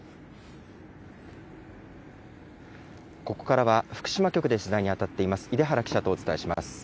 ここからは福島局で取材に当たっています、出原記者とお伝えします。